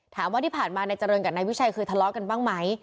ถามว่าที่ผ่านมานายเจริญกับนายวิชัยเคยทะเลาะกันบ้างไหม